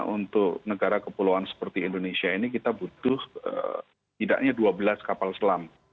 untuk negara kepulauan seperti indonesia ini kita butuh tidaknya dua belas kapal selam